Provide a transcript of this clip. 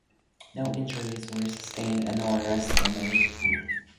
No injuries were sustained and no arrests were made.